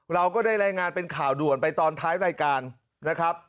เราก็ได้รายงานเป็นข่าวด่วนละครบ